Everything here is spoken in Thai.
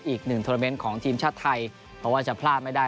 อีกหนึ่งโทรเมนต์ของทีมชาติไทยเพราะว่าจะพลาดไม่ได้